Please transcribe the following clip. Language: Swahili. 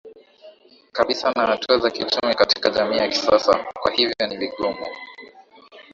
kabisa na hatua za kiuchumi katika jamii ya kisasa Kwa hiyo ni vigumu